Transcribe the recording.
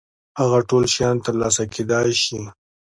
هغه ټول شيان تر لاسه کېدای شي.